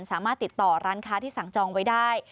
สามารถติดต่อร้านค้าที่สั่งจองไว้ได้